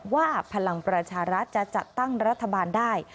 พลังประชารัฐจะจัดตั้งรัฐบาลได้